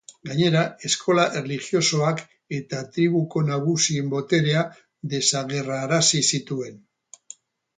Gainera, eskola erlijiosoak eta tribuko nagusien boterea desagerrarazi zituen.